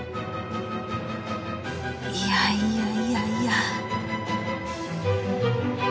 いやいやいやいや